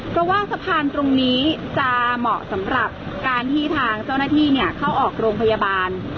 เพราะว่าสะพานตรงนี้จะเหมาะสำหรับการที่ทางเจ้าหน้าที่เข้าออกโรงพยาบาล